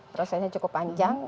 prosesnya cukup panjang